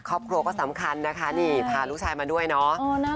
ครอบครัวก็สำคัญนะคะนี่พาลูกชายมาด้วยเนาะ